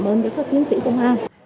những các chiến sĩ công an